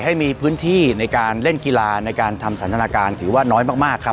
ให้มีพื้นที่ในการเล่นกีฬาในการทำสันทนาการถือว่าน้อยมากครับ